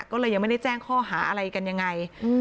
ก็เลยยังไม่ได้แจ้งข้อหาอะไรกันยังไง